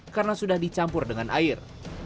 karena sudah dicampur dengan air